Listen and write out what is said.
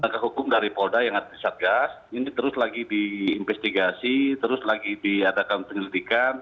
gakum dari polda yang satgas ini terus lagi diinvestigasi terus lagi diadakan penyelidikan